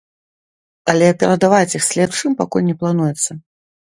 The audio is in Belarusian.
Але перадаваць іх следчым пакуль не плануецца.